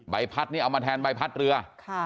ใบพัดนี่เอามาแทนใบพัดเรือ